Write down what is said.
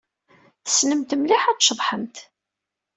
Tessnemt mliḥ ad tceḍḥemt.